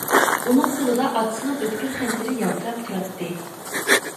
ئۇنىڭ قولىدا ئاتىسىنىڭ ئۆتكۈر خەنجىرى يالتىراپ تۇراتتى.